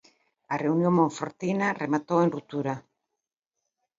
A reunión monfortina rematou en ruptura.